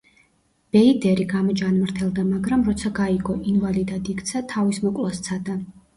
ბეიდერი გამოჯანმრთელდა, მაგრამ როცა გაიგო, ინვალიდად იქცა, თავის მოკვლა სცადა.